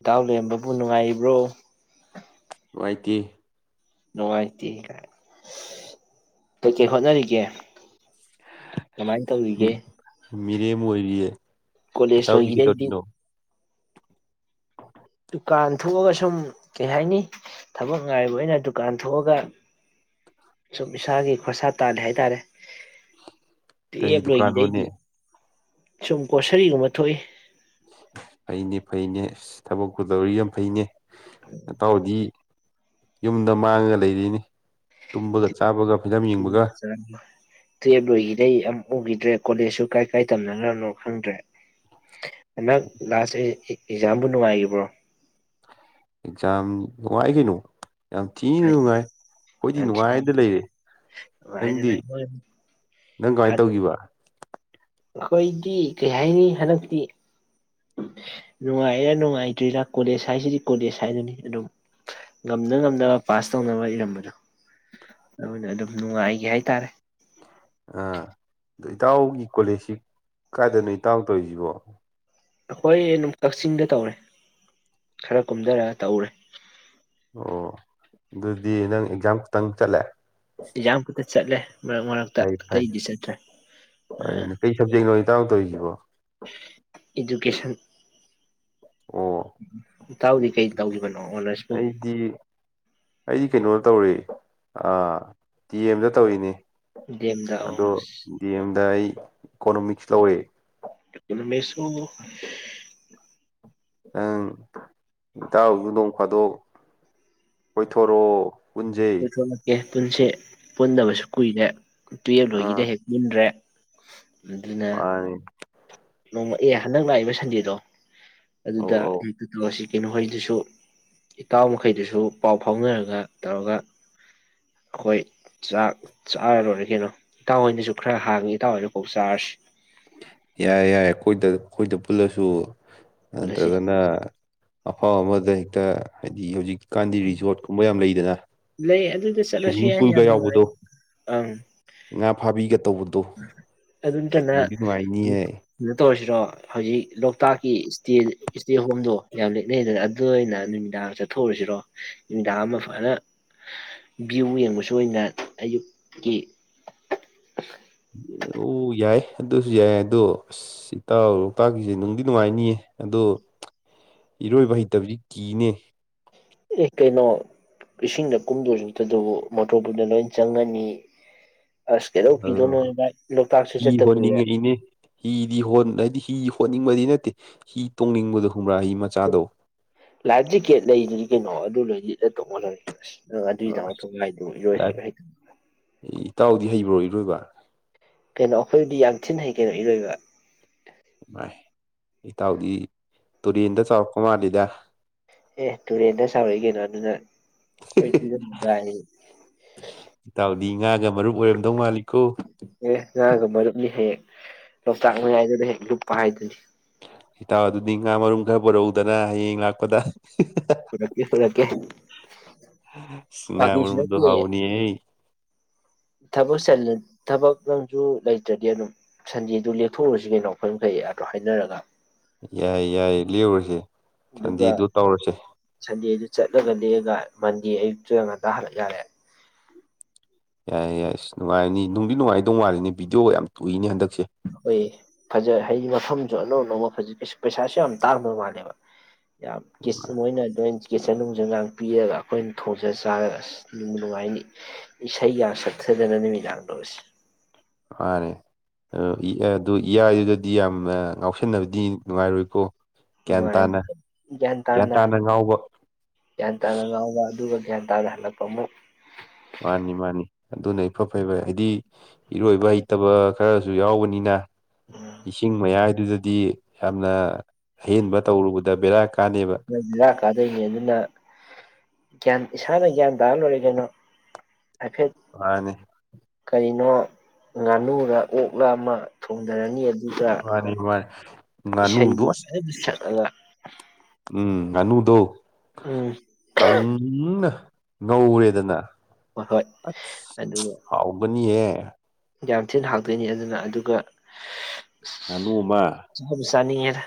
ꯏꯇꯥꯎ ꯂꯔꯕꯕꯨ ꯅꯨꯡꯉꯥꯏꯕ꯭ꯔꯣ ꯅꯨꯡꯏꯇꯦ ꯅꯨꯡꯉꯥꯏꯇꯦ ꯀꯩꯀꯩ ꯍꯣꯠꯅꯔꯤꯒꯦ ꯀꯃꯥꯏꯅ ꯇꯧꯔꯤꯒꯦ ꯃꯤꯔꯦ ꯃꯣꯏꯔꯤꯌꯦ ꯀ ꯆ ꯀꯣꯂꯦꯖ ꯂꯤꯈꯤ ꯇ ꯂꯣꯏꯈꯤꯗꯩꯗꯤ ꯇꯅꯣ [inaudible] ꯗꯨꯀꯥꯟ ꯊꯣꯛꯑꯒ ꯁꯨꯝ ꯀꯩ ꯍꯥꯏꯅꯤ ꯊꯕꯛ ꯉꯥꯏꯕ ꯑꯣꯏꯅ ꯗꯨꯀꯥꯟ ꯊꯣꯛꯑꯒ ꯁꯨꯝ ꯏꯁꯥꯒꯤ ꯈꯣꯔꯁꯥ ꯇꯥꯜꯂꯤ ꯍꯥꯏꯇꯥꯔꯦ ꯇ ꯀꯔꯤ ꯂꯣꯏꯒꯤꯗ ꯗꯨꯀꯥꯟꯅꯣꯅꯦ ꯏꯗꯤ ꯁꯨꯝ ꯀꯒꯣꯁꯔꯤꯒꯨꯝꯕ ꯊꯣꯛꯏ ꯐꯩꯅꯦ ꯐꯩꯅꯦ ꯊꯕꯛꯄꯨ ꯇꯧꯔꯤ ꯌꯥꯝ ꯐꯩꯅꯦ ꯍꯇꯥꯎꯗꯤ ꯌꯨꯝꯗ ꯃꯥꯡꯉ ꯂꯩꯔꯤꯅꯤ ꯇꯨꯝꯕꯒ ꯆꯥꯕꯒ ꯐꯤꯂꯝ ꯌꯦꯡꯕꯒ ꯇꯨꯌꯦꯞ ꯂꯣꯏꯒꯤꯕꯗꯩꯩ ꯎꯈꯤꯗ꯭ꯔꯦ ꯀꯣꯂꯦꯖꯁꯨ ꯀꯥꯏ ꯀꯥꯏ ꯇꯝꯅꯅꯕꯅꯣ ꯈꯪꯗ꯭ꯔꯦ ꯑ ꯂꯥꯁꯦ ꯑꯦꯛꯖꯥꯝꯕꯨ ꯅꯨꯡꯉꯥꯏꯈꯤꯕ꯭ꯔꯣ ꯑꯦꯛꯖꯝ ꯅꯅꯨꯡꯉꯥꯏ ꯀꯩꯅꯣ ꯌꯥꯝ ꯊꯤꯅ ꯅꯨꯡꯉꯥꯏ ꯑꯩꯈꯣꯏꯗꯤ ꯅꯨꯡꯉꯥꯏꯅ ꯂꯩꯔꯦ ꯅꯪꯗꯤ ꯅꯪ ꯀꯃꯥꯏꯅ ꯇꯧꯈꯤꯕ ꯑꯩꯈꯣꯏꯗꯤ ꯀꯩ ꯍꯥꯏꯅꯤ ꯍꯟꯗꯛꯇꯤ ꯅꯨꯡꯉꯥꯏꯔꯥ ꯅꯨꯡꯉꯥꯏꯇ꯭ꯣꯏꯔꯤꯔꯥ ꯀꯣꯂꯦꯖ ꯍꯥꯏꯁꯤꯗꯤ ꯀꯣꯂꯦꯖ ꯍꯥꯏꯗꯨꯅꯤ ꯑꯗꯨꯝ ꯉꯝꯅ ꯉꯝꯅꯕ ꯄꯥꯁ ꯇꯧꯅꯕ ꯏꯔꯝꯕꯗꯣ ꯑꯗꯨꯅ ꯑꯗꯨꯝ ꯅꯨꯡꯉꯥꯏꯒꯦ ꯍꯥꯏꯇꯥꯔꯦ ꯑ ꯑ ꯏꯇꯥꯎꯒꯤ ꯀꯣꯂꯦꯖꯁꯤ ꯀꯥꯏꯗ ꯅꯣ ꯏ ꯇꯥꯡ ꯇꯧꯔꯤꯁꯤꯕꯣ ꯍꯣꯏ ꯀꯛꯆꯤꯡꯗ ꯇꯧꯔꯦ ꯈꯔ ꯀꯨꯝꯊꯔꯒ ꯇꯧꯔꯦ ꯑꯣ ꯑꯗꯨꯗꯤ ꯅꯪ ꯑꯦꯛꯖꯥꯝ ꯈꯛꯇꯪ ꯆꯠꯂꯦ ꯑꯦꯛꯖꯥꯝ ꯈꯛꯇ ꯆꯠꯂꯦ ꯃꯔꯛ ꯃꯔꯛꯇ ꯐꯩ ꯐꯩ ꯑꯇꯩꯗꯤ ꯆꯠꯇ꯭ꯔꯦ ꯐꯔꯦꯅꯦ ꯀꯩ ꯁꯕꯖꯦꯛꯅꯣ ꯏꯇꯥꯎ ꯇꯧꯔꯤꯁꯤꯕꯣ ꯏꯗꯨꯀꯦꯁꯟ ꯑꯣ ꯇꯥꯎꯗꯤ ꯀꯩ ꯇꯥꯎꯗ ꯃꯅꯣ ꯑꯣꯅꯔꯁꯕꯨ ꯑꯩꯗꯤ ꯑꯩꯗꯤ ꯀꯩꯅꯣ ꯇꯧꯔꯤ ꯗꯤ ꯑꯦꯝꯗ ꯇꯧꯔꯤꯅꯤ ꯗꯦꯝꯗ ꯑꯣ ꯑꯗꯣ ꯗꯤ ꯑꯦꯝꯗ ꯑꯩ ꯏꯀꯣꯅꯣꯃꯤꯛꯁ ꯂꯧꯋꯦ ꯃꯦꯁꯨꯣ ꯑꯪ ꯇꯎꯁꯨꯗꯣꯡ ꯐꯥꯗꯣꯛ ꯍꯣꯏꯊꯣꯔꯣ ꯄ ꯊꯣ ꯅꯀꯦ ꯄꯨꯟꯁꯤ ꯄꯨꯟꯗꯕꯁꯨ ꯀꯨꯏꯔꯦ ꯇꯨꯌꯦꯜꯕ ꯂꯣꯏꯒꯤꯗ ꯍꯦꯛ ꯄꯨꯟꯗ꯭ꯔꯦ ꯋꯥꯅꯦ ꯅꯣꯡꯃꯑ ꯍꯟꯗꯛ ꯂꯥꯛꯏꯕ ꯁꯟꯗꯦꯗꯣ ꯑꯧ ꯑꯗꯨꯗ ꯑꯧ ꯍꯦꯛꯇ ꯇꯧꯁꯤ ꯀꯩꯅꯣꯍꯩꯗꯨꯁꯨ ꯏꯇꯥꯎ ꯃꯈꯩꯗꯨꯁꯨ ꯄꯥꯎ ꯐꯥꯎꯅꯔꯒ ꯇꯧꯔꯒ ꯑꯩꯈꯣꯏ ꯆꯥꯛ ꯆꯥꯔꯔꯔꯦ ꯀꯩꯅꯣ ꯏꯇꯥꯎꯍꯣꯏꯅꯁꯨ ꯈꯔ ꯍꯥꯡꯉꯤ ꯏꯇꯥꯎꯍꯣꯏꯅꯐꯥꯎ ꯆꯥꯔꯁꯤ ꯌꯥꯏ ꯌꯥꯏꯦ ꯑꯩꯈꯣꯏꯗ ꯑꯩꯈꯣꯏꯗ ꯄꯨꯜꯂꯁꯨ ꯄꯨꯜꯂꯁꯤ ꯅꯇ꯭ꯔꯒꯅ ꯑꯐꯥꯎ ꯑꯃꯗ ꯍꯦꯛꯇ ꯍꯥꯏꯗꯤ ꯍꯧꯖꯤꯛꯀꯤ ꯀꯥꯟꯗꯤ ꯔꯤꯖꯣꯔꯠ ꯀꯨꯝꯕ ꯌꯥꯝ ꯂꯩꯗꯅ ꯂꯩ ꯑꯗꯨꯗ ꯆꯠꯂꯁꯨ ꯁ꯭ꯋꯤꯃꯤꯡ ꯌꯥꯏ ꯄꯨꯜꯒ ꯌꯥꯝ ꯅꯨꯡꯉꯥꯏ ꯌꯥꯎꯕꯗꯣ ꯑꯪ ꯉꯥ ꯐꯥꯕꯤꯒ ꯇꯧꯕꯗ ꯑꯗꯨ ꯑꯗꯨ ꯀ ꯅꯠꯇ ꯑꯣꯏꯁꯤꯔꯣ ꯍꯧꯖꯤꯛ ꯂꯣꯛꯇꯥꯛꯀꯤ ꯏꯁꯇꯦ ꯏꯁꯇꯦ ꯍꯣꯝꯗꯣ ꯌꯥꯝ ꯂꯛꯅꯩꯗꯅ ꯑꯗꯨ ꯑꯣꯏꯅ ꯅꯨꯃꯤꯗꯥꯡ ꯆꯠꯊꯣꯛꯎꯔꯤꯁꯤꯔꯣ ꯅꯨꯃꯤꯗꯥꯡ ꯑꯃ ꯐꯖꯅ ꯚ꯭ꯌꯨ ꯌꯦꯡꯕꯁꯨ ꯑꯣꯏꯅ ꯑꯌꯨꯛꯀꯤ ꯑꯣ ꯌꯥꯏ ꯑꯗꯨꯁꯨ ꯌꯥꯏ ꯑꯗꯣ ꯑꯁ ꯏꯇꯥꯎ ꯂꯣꯛꯇꯥꯛꯀꯤꯁꯦ ꯅꯨꯡꯗꯤ ꯅꯨꯡꯉꯥꯏꯅꯤꯌꯦ ꯑꯗꯣ ꯏꯔꯣꯏꯕ ꯍꯩꯇꯕꯗꯤ ꯆꯤꯅꯦ ꯑꯦ ꯀꯩꯅꯣ ꯏꯁꯤꯡꯗ ꯀꯨꯝꯗꯣꯏ ꯆꯛꯇꯗꯕꯨ ꯃꯣꯇꯣꯔꯕꯨꯗ ꯂꯣꯏ ꯆꯪꯒꯅꯤ ꯑ ꯍꯤ ꯆꯠꯇ ꯀꯨꯏꯔꯦ ꯍꯣꯟꯅꯤꯡꯉꯩꯅꯦ ꯍꯤꯗꯤ ꯍꯣꯟ ꯍꯥꯏꯗꯤ ꯍꯤ ꯍꯣꯠꯅꯤꯡꯕꯗꯤ ꯅꯠꯇꯦ ꯍꯤ ꯇꯣꯡꯅꯤꯡꯕꯗꯣ ꯈꯪꯕ꯭ꯔꯥ ꯍꯤ ꯃꯆꯥꯗꯣ ꯂꯥꯜꯖꯤ ꯀꯦ ꯂꯩ ꯀꯩꯅꯣ ꯑꯗꯨꯗꯗꯤ ꯇꯧꯉꯜꯂꯒꯦꯁ ꯑꯪ ꯑꯗꯨꯏꯗ ꯑꯁ ꯊꯥꯏꯗꯨ ꯏꯣꯏ ꯍꯩ ꯂꯥꯏꯐ ꯍꯩ ꯏꯇꯥꯎꯗꯤ ꯍꯩꯕ꯭ꯔꯣ ꯏꯔꯣꯏꯕ ꯀꯩꯅꯣ ꯑꯩꯈꯣꯏꯗꯤ ꯌꯥꯝ ꯊꯤꯅ ꯍꯩ ꯀꯩꯅꯣ ꯏꯔꯣꯏꯕ ꯏꯥꯏ ꯏꯇꯥꯎꯗꯤ ꯇꯨꯔꯦꯟꯗ ꯆꯥꯎꯔꯛꯄ ꯃꯥꯜꯂꯤꯗ ꯑꯦ ꯇꯨꯔꯦꯟꯗ ꯆꯥꯎꯥꯎꯔꯛꯏ ꯀꯅꯣ ꯑꯗꯨꯅ ꯑꯩꯩꯇꯁꯨ ꯃꯗ ꯍꯥꯏ ꯗꯤ ꯉꯥꯒ ꯃꯔꯨꯞ ꯑꯣꯏꯔꯝꯗꯧ ꯃꯥꯜꯂꯤꯀꯣ ꯑꯦ ꯒ ꯃꯔꯗꯨꯅꯤ ꯍꯦ ꯔ ꯆ ꯌꯥ ꯄꯍꯅꯤ ꯍꯤꯇꯥꯎ ꯑꯗꯨꯗꯤ ꯉꯥ ꯃꯔꯨꯝ ꯈꯔ ꯄꯨꯔꯛꯧꯗꯅ ꯍꯌꯦꯡ ꯂꯥꯛꯄꯗ ꯄꯨꯔꯛꯀꯦ ꯄꯨꯔꯛꯀꯦ ꯐꯥꯒꯤꯁꯨ ꯉꯥꯏꯃꯔꯗ ꯍꯕꯅꯤ ꯑꯩ ꯊꯕ ꯆ ꯊꯕꯛ ꯅꯪꯁꯨ ꯂꯩꯇ꯭ꯔꯗꯤ ꯑꯗꯨꯝ ꯁꯟꯗꯦꯗꯨ ꯂꯦꯛꯊꯣꯛꯎꯔꯨꯁꯤ ꯀꯩꯅꯣ ꯑꯩꯈꯣꯏ ꯃꯈꯩ ꯑꯗꯣ ꯍꯥꯏꯅꯔꯒ꯫ ꯌꯥꯏ - ꯌꯥꯏ ꯂꯦꯛꯎꯔꯁꯤ꯫ ꯑꯗꯨꯒ ꯁꯟꯗꯤꯗꯨ ꯇꯧꯔꯁꯦ ꯁꯟꯗꯦꯗꯨ ꯆꯠꯂꯒ ꯂꯦꯛꯒ ꯃꯟꯗꯦ ꯑꯌꯨꯛꯇ ꯉꯟꯇꯥ ꯍꯜꯂꯛ ꯌꯥꯔꯦ꯫ ꯌꯥꯏꯌꯦ ꯌꯥꯏ ꯑꯁ ꯅꯨꯡꯉꯥꯏꯅꯤ ꯅꯨꯡꯗꯤ ꯅꯨꯡꯉꯥꯏꯗꯧ ꯃꯥꯜꯂꯤꯅꯤ ꯚꯗꯤꯑꯣꯒ ꯌꯥꯝ ꯎꯏꯅꯤ ꯍꯟꯗꯛ ꯍꯣꯏ ꯐꯖ ꯍꯥꯏ ꯐꯝꯁꯨ ꯑꯅꯧ ꯑꯅꯧꯕ ꯐꯖꯩ ꯄꯩꯁꯥꯁꯨ ꯌꯥꯝ ꯇꯥꯡꯗꯕ ꯃꯥꯜꯂꯦꯕ ꯌꯥꯝ ꯀꯤꯁ [unintelligible] ꯀꯤꯆꯥꯟ ꯅꯨꯪꯖꯟ ꯒꯥꯡ ꯄꯤꯔꯒ ꯑꯩꯈꯣꯏꯅ ꯊꯣꯡꯖ ꯆꯥꯔꯒ ꯑꯁ ꯅꯨꯡꯉꯥꯏꯅ ꯏꯁꯩꯒ ꯁꯛꯊꯗꯅ ꯅꯨꯃꯤꯗꯥꯡꯗꯣ ꯑꯁ ꯃꯥꯅꯦ ꯑꯗꯨ ꯏꯌꯥꯏꯗꯨꯗꯗꯤ ꯌꯥꯝꯅ ꯉꯥꯎꯁꯟꯅꯕꯗꯤ ꯅꯨꯡꯉꯥꯏꯔꯣꯏꯀꯣ꯫ ꯒ꯭ꯌꯥꯟ ꯅꯨꯡꯉꯥꯏ ꯇꯥꯅ ꯒ꯭ꯌꯥꯟ ꯇꯥꯅ ꯒ꯭ꯌꯥꯟ ꯇꯥꯅ ꯉꯥꯎꯕ ꯑꯗꯨꯒ ꯒꯌ꯭ꯥꯟ ꯇꯥꯅꯥ ꯍꯛꯀꯄꯥ ꯑꯃꯨꯛ ꯃꯥꯅꯤ ꯃꯥꯅꯤ ꯑꯗꯨꯅ ꯏꯐ ꯐꯩꯕ ꯍꯥꯏꯗꯤ ꯏꯔꯣꯏꯕ ꯍꯩꯇꯕ ꯈꯔꯁꯨ ꯌꯥꯎꯕꯅꯤꯅ ꯏꯁꯤꯡ ꯃꯌꯥꯏꯗꯨꯗꯗꯤ ꯌꯥꯝꯅ ꯑꯍꯦꯟꯕ ꯇꯧꯔꯨꯕꯗ ꯕꯦꯔꯥ ꯀꯥꯅꯦꯕ ꯕꯦꯔꯥ ꯀꯥꯗꯣꯏꯅꯦ ꯑꯗꯨꯅ ꯒ꯭ꯌꯥꯟ ꯏꯁꯥꯅ ꯒ꯭ꯌꯥꯟ ꯇꯥꯔ ꯂꯣꯏꯔꯤ ꯀꯩꯅꯣ꯫ ꯍꯥꯏꯐꯦꯠ ꯃꯅꯦ꯫ ꯀꯔꯤꯅꯣ ꯉꯥꯅꯨꯔ ꯑꯣꯛꯂ ꯑꯃ ꯊꯣꯡꯗꯔꯅꯤ ꯑꯗꯨꯒ ꯃꯥꯅꯦ ꯃꯥꯅꯦ ꯏꯁꯩ ꯉꯥꯅꯨꯗꯣ ꯑꯁ [unintelligible] ꯑꯥꯌꯥ ꯎꯝ ꯉꯥ ꯅꯨꯗꯣ ꯎꯝ ꯀꯪꯅ ꯉꯧꯔꯦꯗꯅ ꯍꯣꯏ ꯍꯣꯏ ꯑꯁ ꯑꯗꯨꯒ ꯍꯥꯎꯕꯅꯤꯌꯦ! ꯌꯥꯝ ꯊꯤꯅ ꯍꯥꯎꯇꯣꯏꯅꯤ ꯑꯗꯨꯅ ꯑꯗꯨꯒ ꯉꯥꯅꯨ ꯑꯃ ꯆꯥꯅꯤꯡ ꯉꯦꯗꯥ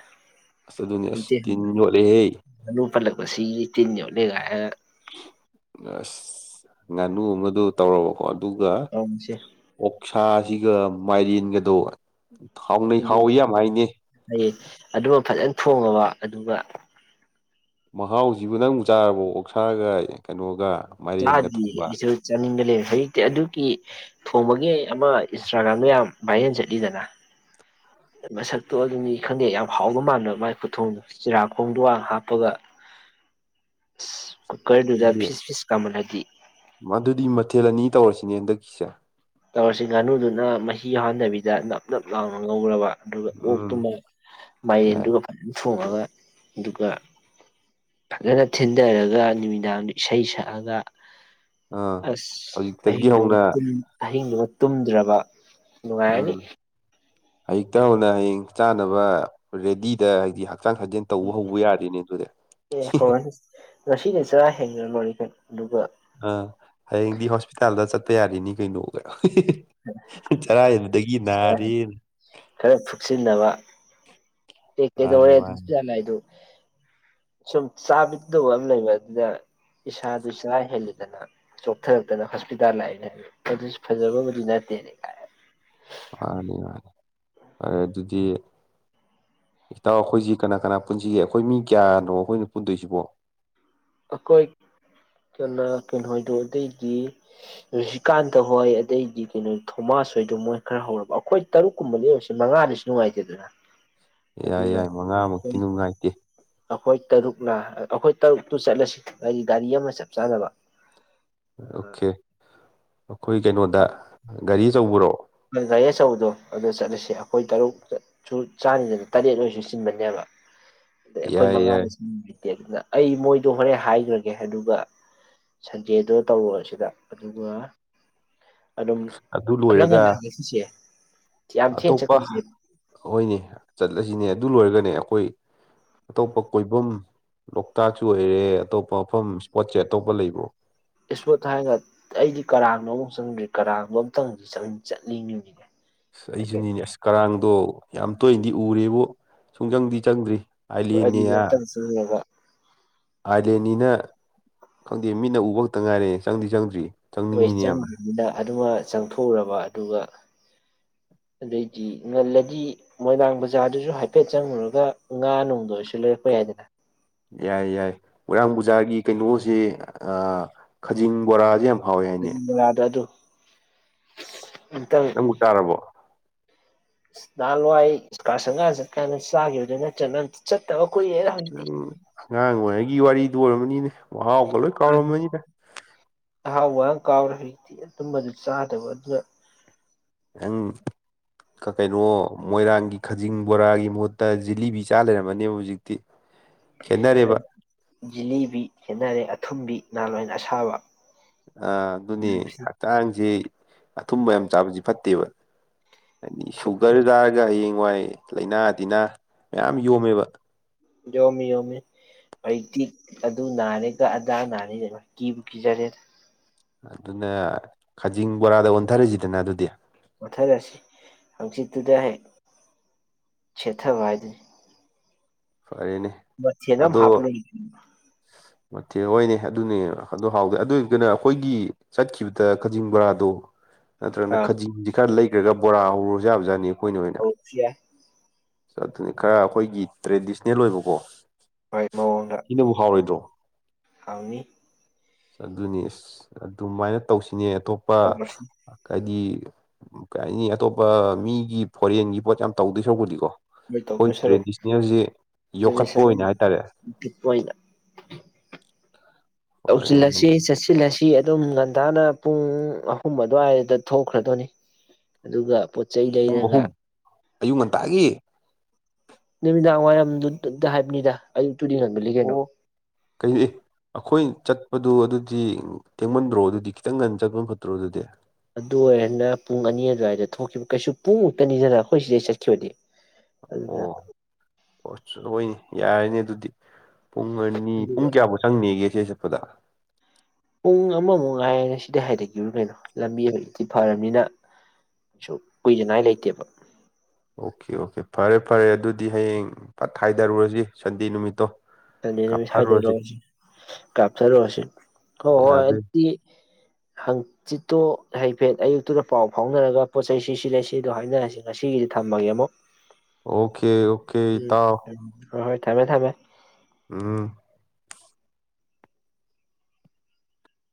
ꯑꯁ ꯑꯗꯨꯅꯤ ꯑꯁ ꯇꯤꯟ ꯌꯣꯠꯂꯦ ꯍꯦ ꯫ ꯃꯁꯤꯒꯤ ꯇꯤꯟ ꯌꯣꯠꯂꯦ ꯒ ꯍꯥꯏ ꯑꯁ ꯉꯥꯅꯨ ꯑꯃꯗꯣ ꯇꯧꯔꯛ ꯑꯣ ꯑꯗꯨꯒ ꯇꯧꯔꯤꯁꯦ ꯑꯣ ꯁꯥꯁꯤꯒ ꯃꯥꯏꯔꯦꯟꯒꯗꯣ ꯍꯥꯎꯅꯩ ꯍꯥꯎꯋꯤ ꯌꯥꯝ ꯍꯥꯏꯅꯦ ꯍꯣꯏꯌꯦ ꯑꯗꯨꯒ ꯐꯖꯅ ꯊꯣꯉꯕ ꯑꯗꯨꯒ ꯃꯍꯥꯎ ꯖꯤꯕꯨ ꯅꯪ ꯆꯥꯔꯕ ꯑꯣꯛꯁꯥꯒ ꯀꯩꯅꯣꯒ ꯃꯥꯏꯔꯦꯟꯒ ꯆꯥꯗ꯭ꯔꯤ ꯊꯣꯡꯕ ꯑꯩꯁꯨ ꯆꯥꯅꯤꯡꯕ ꯂꯩꯔꯦ ꯍꯧꯖꯤꯛꯇꯤ ꯑꯗꯨꯒꯤ ꯊꯣꯡꯕꯒꯤ ꯑꯃ ꯏꯟꯁꯇꯥ꯭ꯔꯒ꯭ꯔꯥꯝꯗ ꯌꯥꯝ ꯚꯥꯏ ꯍꯦꯟ ꯆꯠꯂꯤꯗꯅ ꯃꯁꯛꯇꯣ ꯑꯗꯨꯅꯤ ꯈꯪꯗꯦ ꯌꯥꯝ ꯍꯥꯎꯕ ꯃꯥꯟꯕ ꯃꯥꯏ ꯈꯨꯊꯣꯡꯗ ꯆꯤꯔꯥꯛ ꯈꯣꯡꯗꯋꯥꯡ ꯍꯥꯞꯄꯒ ꯀꯨꯀꯔ ꯗꯨꯗ ꯐꯤꯤꯁ ꯐꯤꯁ ꯀꯃ ꯍꯥꯏ ꯃꯗꯨꯗꯤ ꯃꯊꯦꯂꯅꯤ ꯇꯧꯔꯁꯤꯅꯦ ꯍꯟꯗꯛꯀꯤꯁꯦ ꯇꯧꯔꯁꯤ ꯉꯥꯅꯨꯗꯨꯅ ꯃꯍꯤ ꯌꯥꯎꯍꯟꯗꯕꯤꯗ ꯅꯞ ꯅꯞ ꯂꯥꯎꯅ ꯉꯧꯔꯕ ꯑꯗꯨꯒ ꯑꯣꯛꯇꯨ ꯎꯝ ꯌꯥꯏ ꯃꯟꯗꯨꯒ ꯐꯖꯅ ꯊꯣꯡꯉꯒ ꯑꯗꯨꯒ ꯐꯖꯅ ꯊꯤꯟꯊꯔꯒ ꯅꯨꯃꯤꯗꯥꯡꯗ ꯏꯁꯩ ꯁꯛꯑꯒ ꯑꯥ ꯑꯁ ꯑꯩ ꯍꯧꯖꯤꯛꯇꯒꯤ ꯍꯧꯅ ꯑꯍꯤꯡꯗꯨꯒ ꯇꯨꯝꯗ꯭ꯔꯕ ꯉꯥꯏꯅꯤ ꯑꯌꯛꯇ ꯍꯧꯅ ꯍꯌꯦꯡ ꯆꯥꯅꯕ ꯔꯦꯗꯤꯗ ꯍꯥꯏꯗꯤ ꯍꯛꯆꯥꯡ ꯁꯥꯖꯦꯜ ꯇꯧꯕ ꯍꯧꯕ ꯌꯥꯔꯦꯅꯦ ꯑꯗꯨꯗꯤ ꯎ ꯑꯦ ꯍꯣꯏ ꯉꯁꯤꯅꯦ ꯆꯔꯥ ꯍꯦꯡꯅꯅ ꯂꯣꯏꯔꯈꯩꯅ ꯑ ꯍꯌꯦꯗꯤ ꯍꯣꯁꯄꯤꯇꯥꯜꯗ ꯆ ꯇꯇꯩꯌꯥꯔꯅꯤ ꯀꯩꯅꯣ ꯆꯔꯥ ꯍꯦꯟꯗꯒꯤ ꯅꯥꯔꯦꯅ ꯄ ꯃꯥꯅꯤ ꯃꯥꯅꯤ ꯀꯩꯗꯧꯦꯥꯏ ꯁꯨꯝ ꯆꯥꯕꯤꯗꯕ ꯑꯃ ꯂꯩꯕ ꯑꯗꯨꯗ ꯏꯁꯥꯗꯨ ꯆꯥ ꯍꯦꯂꯗꯅ ꯆꯣꯛꯊꯔꯛꯇꯅ ꯍꯣꯁꯄꯤꯇꯥꯜ ꯂꯥꯛꯏꯅꯦ ꯑꯗꯨꯁꯨ ꯐꯖꯕꯕꯨ ꯅꯠꯇꯦꯅꯦꯥꯏ ꯃꯥꯅꯤ ꯃꯥꯅꯤ ꯐꯔꯦ ꯑꯗꯨꯗꯤ ꯏꯇꯥꯎ ꯑꯩꯈꯣꯏꯁꯤ ꯀꯅꯥ ꯀꯅꯥ ꯄꯨꯟꯁꯤꯒꯦ ꯑꯩꯈꯣꯏ ꯃꯤ ꯀꯌꯥꯅꯣ ꯑꯩꯈꯣꯏꯅ ꯄꯨꯟꯗꯣꯏꯁꯤꯕꯣ ꯑꯩꯈꯣꯏ ꯀꯅꯥ ꯀꯩꯅꯣꯍꯣꯏꯗꯣ ꯑꯗꯩꯗꯤ ꯔꯨꯁꯤꯀꯥꯟꯇ ꯍꯣꯏ ꯑꯗꯩꯗꯤ ꯀꯩꯅꯣ ꯊꯣꯃꯥꯁ ꯍꯣꯏꯗꯣ ꯃꯣꯏ ꯈꯔ ꯍꯧꯔꯕ ꯑꯩꯈꯣꯏ ꯇꯔꯨꯛꯀꯨꯝꯕ ꯂꯩ ꯑꯣꯏꯔꯁꯤ ꯃꯉꯥꯗꯁꯨ ꯅꯨꯡꯉꯥꯏꯇꯦꯗꯅ ꯌꯥꯏ ꯑꯗꯨꯅ ꯌꯥꯏ ꯃꯉꯥꯃꯨꯛꯇꯤ ꯅꯨꯡꯉꯥꯏꯇꯦ ꯍꯣꯏ ꯇꯔꯨꯛꯅ ꯑꯩꯈꯣꯏ ꯇꯔꯨꯛꯇꯨ ꯆꯠꯂꯁꯤ ꯍꯥꯏꯗꯤ ꯒꯥꯔꯤ ꯑꯃ ꯆꯞ ꯆꯥꯅꯕ ꯑꯣꯀꯦ ꯑꯩꯈꯣꯏ ꯀꯩꯅꯣꯗ ꯒꯥꯔꯤ ꯑꯆꯧꯕꯔꯣ ꯀꯌꯦ ꯆ ꯎꯗꯣ ꯑꯗꯨꯗ ꯆꯂꯁ ꯁꯦ ꯑꯩꯈꯣꯏ ꯇꯔꯨꯛꯇꯁꯨ ꯆꯥꯔꯤꯗꯅ ꯇꯔꯦꯠ ꯑꯣꯏꯁꯨ ꯆꯤꯟꯕꯅꯦꯕ ꯑꯩꯈꯣꯏ ꯌꯥꯏ ꯃꯉꯥ ꯌꯥꯏ ꯂꯤ ꯑꯗꯨꯅ ꯑꯩ ꯃꯣꯏꯗꯣ ꯍꯣꯔꯦꯟ ꯍꯥꯏꯈ꯭ꯔꯒꯦ ꯑꯗꯨꯒ ꯁꯟꯗꯦꯗꯣ ꯇꯧꯔꯛꯑꯁꯤꯗ ꯑꯗꯨꯒ ꯑꯗꯨꯝ ꯑꯗꯨ ꯂꯣꯏꯔꯒ ꯈꯂꯒꯦ ꯁꯤꯁꯤꯦ [inaudible] ꯑꯇꯣꯞꯄ ꯍꯣꯏꯅꯤꯠ ꯆ ꯑꯁꯤꯅꯦ ꯑꯗꯨ ꯂꯣꯏꯔꯒꯅꯦ ꯑꯩꯈꯣꯏ ꯑꯇꯣꯞꯄ ꯀꯣꯏꯐꯝ ꯂꯣꯛꯇꯥꯛꯁꯨ ꯑꯣꯏꯔꯦ ꯑꯇꯣꯞ ꯃꯐꯝ ꯏꯁꯄꯣꯠꯁꯦ ꯑꯇꯣꯞꯧꯕ ꯂꯩꯕ꯭ꯔꯣ ꯏꯁꯄꯣꯠ ꯍꯥꯏꯔꯒ ꯑꯩꯗꯤ ꯀꯔꯥꯡꯅꯣ ꯑꯃꯨꯛ ꯆꯪꯗ꯭ꯔꯤ ꯀꯔꯥꯡꯣ ꯑꯝꯇꯪꯗ ꯆꯠꯅꯤꯡꯉꯤꯅꯤꯅꯦ ꯑ ꯍꯥꯏꯐꯦꯠ ꯑꯩꯁꯨꯅꯦꯅꯦ ꯑꯁ ꯀꯔꯥꯡꯗꯣ ꯌꯥꯝ ꯇꯣꯏꯅꯗꯤ ꯎꯔꯦꯕꯨ ꯁꯨꯡꯆꯪꯗꯤ ꯆꯪꯗ꯭ꯔꯤ ꯑꯥꯏꯂꯦꯟꯅꯤꯅ ꯗꯤꯛꯇꯔꯁꯨꯉꯕ ꯑꯥꯏꯂꯦꯟꯅꯤꯅ ꯈꯪꯗꯦ ꯃꯤꯅ ꯎꯕ ꯈꯛꯇ ꯉꯥꯏꯔꯦ ꯆꯪꯗꯤ ꯆꯪꯗ꯭ꯔꯤ ꯍꯣꯏꯁ ꯆꯪꯅꯤꯡꯉꯤꯅꯦ ꯌꯥꯝꯅ ꯆꯗ ꯑꯗꯨꯃ ꯆꯪꯊꯣꯛꯎꯔꯕ ꯑꯗꯨꯒ ꯑꯗꯩꯗꯤ ꯉꯜꯂꯗꯤ ꯃꯣꯏꯔꯥꯡ ꯕꯖꯥꯔꯗꯨꯁꯨ ꯍꯥꯏꯐꯦꯠ ꯆꯪꯉꯨꯔꯒ ꯉꯥ ꯅꯨꯡꯗ ꯑꯣꯏꯔꯁꯨ ꯂꯩꯔꯛꯄ ꯌꯥꯏꯗꯅ ꯌꯥꯏ ꯌꯥꯏ ꯃꯣꯏꯔꯥꯡ ꯄꯨꯕꯨꯖꯥꯒꯤ ꯀꯩꯅꯣꯁꯦ ꯈꯖꯤꯡ ꯕꯣꯔꯥꯁꯦ ꯌꯥꯝ ꯍꯥꯎꯋꯦ ꯍꯥꯏꯅꯦ ꯗ ꯑꯗꯨ ꯑꯝꯇꯪ ꯅꯪꯕꯨꯛ ꯇꯥꯔꯕꯣ ꯅꯍꯥꯟꯋꯥꯏ ꯀ ꯁꯪꯒꯥ ꯆꯠꯀꯥꯟꯗ ꯆꯥꯈꯤꯕꯈꯤꯕꯗ ꯆꯠ ꯆꯠꯇꯕ ꯀꯨꯏꯔꯦꯗ ꯍꯧꯖꯤꯛꯇꯤ ꯎꯝ ꯉꯉ ꯋꯥ ꯒꯤ ꯋꯥꯔꯤꯗꯨ ꯑꯣꯏꯔꯕꯅꯤꯅꯦ ꯋꯥꯍꯒꯂꯣꯏ ꯀꯔꯅꯤꯗ ꯑꯍꯥꯎꯕ ꯀꯥꯎꯔꯦ ꯍꯧꯖꯤꯛꯇꯤ ꯑꯗꯨꯝꯕ ꯑꯗꯨ ꯆꯥꯗꯕ ꯑꯗꯨꯅ ꯎꯪ ꯀꯩꯅꯣ ꯃꯣꯏꯔꯥꯡꯒꯤ ꯈꯖꯤꯡ ꯕꯣꯔꯥꯒꯤ ꯃꯍꯨꯠꯇ ꯖꯤꯂꯤꯕꯤ ꯆꯥ ꯂꯩꯔꯝꯃꯅꯦꯕ ꯍꯧꯖꯤꯛꯇꯤ ꯈꯦꯠꯅꯔꯦꯕ [inaudible] ꯕꯤ ꯈꯦꯠꯅꯔꯦ ꯑꯊꯨꯝꯕꯤ ꯅꯍꯥꯟꯋꯥ ꯑꯁꯥꯕ ꯑ ꯑꯗꯨꯅꯤ ꯍꯛꯆꯥꯡꯁꯤ ꯑꯊꯨꯝꯕ ꯌꯥꯝ ꯆꯥꯕꯁꯤ ꯐꯠꯇꯦꯕ ꯍꯥꯏꯗꯤ ꯁꯨꯒꯔ ꯇꯥꯔꯒ ꯍꯌꯦꯡꯋꯥꯏ ꯂꯩꯥꯏꯅꯥ ꯇꯤꯟꯅꯥ ꯃꯌꯥꯝ ꯌꯣꯝꯃꯦꯕ ꯌꯣꯝꯃꯤ ꯌꯣꯝꯃꯤ ꯍꯏꯇꯤꯛ ꯑꯗꯨ ꯅꯥꯔꯦꯒ ꯑꯗꯥ ꯅꯥꯔꯤ ꯀꯤꯕꯨ ꯀꯤꯖꯔꯦꯗ ꯑꯗꯨꯅ ꯈꯖꯤꯡ ꯕꯣꯔꯥꯗ ꯑꯣꯟꯊꯔꯤꯁꯤꯗꯅ ꯑꯗꯨꯗꯤ ꯃꯊꯔꯁꯤ ꯍꯪꯆꯤꯠꯇꯨꯗ ꯍꯦꯛ ꯁꯦꯠꯊꯕ ꯍꯥꯏꯗꯨꯅꯤ ꯐꯔꯦꯅꯦ ꯃꯗꯝ ꯍꯥꯄ ꯃꯦ ꯍꯣꯏꯅꯦ ꯑꯗꯨꯅꯦ ꯑꯗꯨ ꯍꯥꯎꯗꯩ ꯑꯗꯨ ꯀꯩꯅꯣ ꯑꯩꯈꯣꯏꯒꯤ ꯆꯠꯈꯤꯕꯗ ꯀꯖꯤꯡ ꯕꯔꯥꯗꯣ ꯅꯠꯇ꯭ꯔꯒꯅ ꯑꯥ ꯈꯖꯤꯤꯡ ꯈꯔ ꯂꯩ ꯏ꯭ꯔꯒ ꯕꯣꯔꯥ ꯍꯧꯔꯨꯁꯨ ꯌꯥꯕꯥꯠꯅꯤ ꯍꯧ ꯁꯤ ꯆꯅꯤ ꯈꯔ ꯑꯩꯈꯣꯏꯒꯤ ꯇ꯭ꯔꯦꯗꯤꯁꯅꯦꯜ ꯑꯣꯏꯕꯀꯣ ꯍꯣꯏ ꯁꯤꯅꯕꯨ ꯍꯥꯎꯔꯣꯏꯗ꯭ꯔꯣ ꯃꯑꯣꯣꯟꯗꯅꯤ ꯁ ꯑꯗꯨꯅꯤ ꯑꯁ ꯑꯗꯨꯃꯥꯏꯅ ꯇꯧꯁꯤꯅꯦ ꯑꯇꯣꯞꯄ ꯇꯧꯔꯁꯤ ꯍꯥꯏꯗꯤ ꯀꯩ ꯍꯥꯏꯅꯤ ꯑꯇꯣꯞꯄ ꯃꯤꯒꯤ ꯐꯣꯔꯦꯟꯒꯤ ꯄꯣꯠ ꯌꯥꯝ ꯇꯧꯗꯣꯏ ꯁꯔꯛꯄꯨꯗꯤꯀꯣ ꯃꯣꯏ ꯇꯧ ꯇꯣꯏ ꯁꯔꯨꯛ ꯌꯣꯛꯈꯠꯄ ꯑꯣꯏꯅ ꯇ꯭ꯔꯦꯗꯤꯁꯅꯦꯜ ꯍꯥꯏꯇꯥꯔꯦ ꯐꯨꯗ ꯐꯔꯦꯅꯦ ꯎꯁꯤꯂꯁꯤ ꯁꯁꯤ ꯂꯁꯤ ꯑꯗꯨꯝ ꯉꯒꯟꯊꯅ ꯄꯨꯡ ꯑꯍꯨꯝ ꯑꯗꯨꯋꯥꯏꯗ ꯊꯣꯛꯈ꯭ꯔꯗꯣꯏꯅꯤ ꯑꯗꯨꯒ ꯆꯩ ꯄꯨꯡ ꯂꯩꯔꯒ ꯑꯍꯨꯝ ꯑꯌꯨꯛ ꯉꯟꯇꯥꯒꯤ ꯅꯨꯃꯤꯗꯥꯡ ꯋꯥꯏꯔꯝꯗꯨꯗ ꯍꯥꯏꯕꯅꯤꯗ ꯉꯟꯃꯜꯂꯤ ꯑꯣ ꯀꯩꯅꯣ ꯀꯩ ꯑꯩꯈꯣꯏ ꯆꯠꯄꯗꯨ ꯑꯗꯨ ꯗꯤ ꯇꯦꯡꯃꯟꯗ꯭ꯔꯣ ꯑꯗꯨꯗꯤ ꯈꯤꯇꯪ ꯉꯟꯅ ꯆꯠꯄ ꯐꯠꯇ꯭ꯔꯣ ꯑꯗꯨꯗꯤ ꯑꯗꯨ ꯑꯣꯏꯔꯅ ꯄꯨꯡ ꯑꯅꯤ ꯑꯗꯨꯋꯥꯏꯗ ꯊꯣꯛꯈꯤꯕ ꯀꯩꯁꯨ ꯄꯨꯡꯃꯨꯛꯇꯅꯤꯗꯅ ꯑꯩꯈꯣꯏ ꯁꯤꯗꯩ ꯆꯠꯈꯤꯕꯅꯤ ꯑꯣ ꯑꯣꯣꯏꯅꯤ ꯌꯥꯔꯅꯤ ꯑꯗꯨ ꯄꯨꯡ ꯑꯅꯤ ꯑꯗꯨꯒ ꯄꯨꯡ ꯀꯌꯥꯃꯨꯛ ꯆꯪꯅꯤꯒꯦ ꯏꯆꯦ ꯆꯠꯄꯗ ꯎꯨꯡ ꯑꯃ ꯃꯨꯡ ꯀꯤꯗ ꯍꯥꯏꯗꯈꯤꯕ ꯑꯣꯏ ꯀꯩꯅꯣ ꯂꯝꯕꯤ ꯑꯃꯛꯇꯤ ꯐꯔꯕꯅꯤꯅ ꯀꯩꯁꯨ ꯀꯨꯏꯗꯉꯥꯏ ꯂꯩꯇꯦꯕ ꯑꯣꯀꯦ ꯑꯣꯀꯦ ꯐꯔꯦ ꯐꯔꯦ ꯑꯗꯨꯗꯤ ꯍꯌꯦꯡ ꯄꯠ ꯍꯥꯏꯊꯔꯨꯔꯁꯤ ꯁꯟꯗꯦ ꯅꯨꯃꯤꯠꯇꯣ ꯁꯟꯗꯦ ꯅꯨꯃꯤꯠ ꯀꯥꯞꯊꯔꯨꯔꯁꯤ ꯁꯗꯔꯛꯁꯤ ꯀꯥꯞꯊꯔꯛꯨꯔꯁꯤ ꯍꯣꯏ ꯍꯣꯏ ꯌꯥꯗꯦ ꯑꯗꯨꯗꯤ ꯍꯪꯆꯤꯠꯇꯣ ꯍꯥꯏꯩꯐꯦꯠ ꯑꯌꯨꯛꯇꯨꯗ ꯄꯥꯎ ꯐꯥꯎꯅꯔꯒ ꯄꯣꯠ ꯆꯩꯁꯤ ꯁꯤ ꯂꯩ ꯁꯤꯗꯣ ꯍꯥꯏꯅꯔꯁꯤ ꯉꯁꯤꯒꯤꯗꯤ ꯊꯝꯃꯒꯦ ꯑꯃꯨꯛ ꯑꯣꯀꯦ ꯑꯣꯀꯦ ꯏ ꯇꯥꯎ ꯔ ꯍꯣꯏ ꯊꯃꯦ ꯊꯝꯃꯦ ꯎꯝ